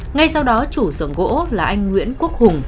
ngay sau đó chủ sưởng gỗ là anh nguyễn quốc hùng